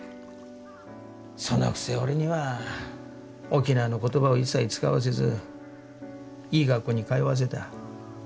そのくせ俺には沖縄の言葉を一切使わせずいい学校に通わせた。